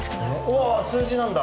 おわ数字なんだ。